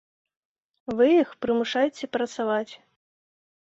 Вы іх прымушайце працаваць.